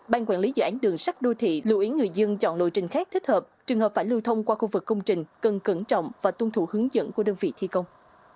ban quản lý dự án đường sắt đô thị lưu ý người dân chọn lội trình khác thích hợp trường hợp phải lưu thông qua khu vực công trình cần cẩn trọng và tuân thủ hướng dẫn của đơn vị thi công